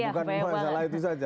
bukan memang salah itu saja